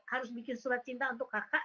harus bikin surat cinta untuk kakak